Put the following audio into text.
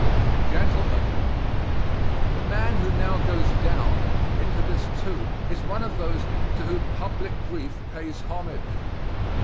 Gentlemen: The man who now goes down into this tomb is one of those to whom public grief pays homage.